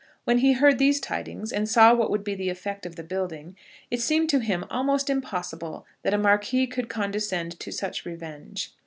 When he heard those tidings, and saw what would be the effect of the building, it seemed to him almost impossible that a Marquis could condescend to such revenge.